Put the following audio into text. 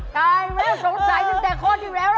กลายไม่ได้สงสัยตั้งแต่ข้อที่แล้ว